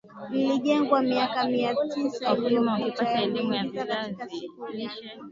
lilijengwa miaka mia tisa iliyopita yameingia katika siku ya nne